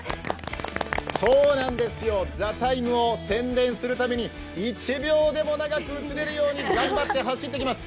そうなんですよ、「ＴＨＥＴＩＭＥ，」を宣伝するために１秒でも長く映れるように頑張って走ってきます！